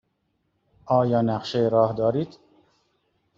آیا نقشه راه دارید؟